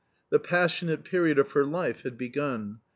The passionate period of her life had begun.